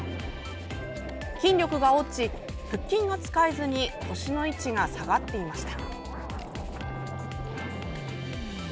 筋力が落ち、腹筋が使えずに腰の位置が下がっていました。